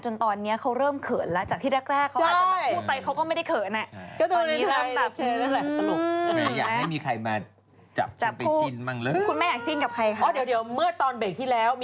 จนตอนนี้เขาเริ่มเขินแล้ว